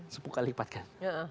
sepuluh kali lipat kan